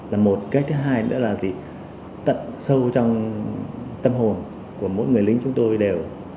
là một cái thứ hai nữa là gì tận sâu trong tâm hồn của mỗi người lính chúng tôi đều